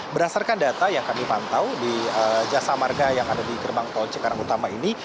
berdasarkan data yang kami pantau di jasa marga yang ada di gerbang tol cikarang utama ini